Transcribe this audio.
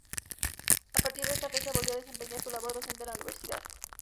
A partir de esta fecha volvió a desempeñar su labor docente en la Universidad.